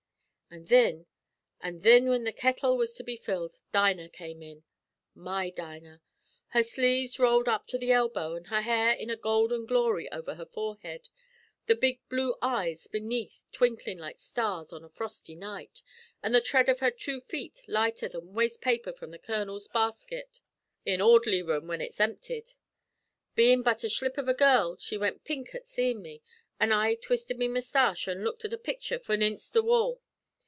"An' thin an' thin whin the kittle was to be filled, Dinah came in my Dinah her sleeves rowled up to the elbow, an' her hair in a gowlden glory over her forehead, the big blue eyes beneath twinklin' like stars on a frosty night, an' the tread of her two feet lighter than waste paper from the colonel's basket in ord'ly room when ut's emptied. Bein' but a shlip av a girl, she went pink at seein' me, an' I twisted me mustache an' looked at a picture forninst the wall.